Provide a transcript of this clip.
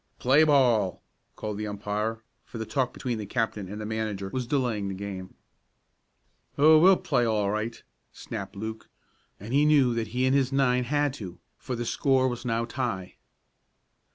"Play ball!" called the umpire, for the talk between the captain and manager was delaying the game. "Oh, we'll play all right," snapped Luke, and he knew that he and his nine had to, for the score was now tie.